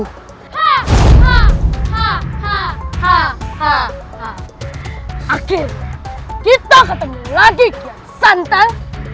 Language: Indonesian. hahahaha akhirnya kita ketemu lagi kiat santan